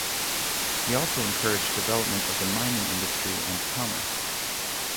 He also encouraged the development of the mining industry and commerce.